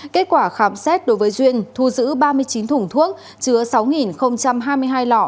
kết quả khám xét đối với duyên thu giữ ba mươi chín thùng thuốc chứa sáu hai mươi hai lọ